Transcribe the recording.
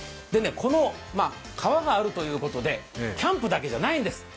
川があるということで、キャンプだけじゃないんです。